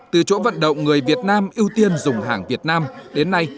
từ chỗ vận động người việt nam ưu tiên dùng hàng việt nam đến nay